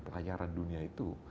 perlayaran dunia itu